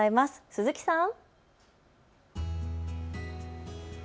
鈴木さん。